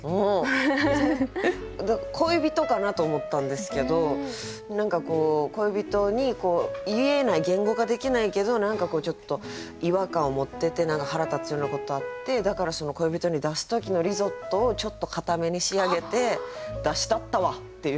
恋人かなと思ったんですけど何かこう恋人に言えない言語化できないけど何かちょっと違和感を持ってて腹立つようなことあってだから恋人に出す時のリゾットをちょっと硬めに仕上げて出したったわっていう。